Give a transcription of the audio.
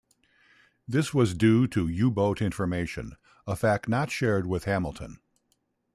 This was due to U-boat information, a fact not shared with Hamilton.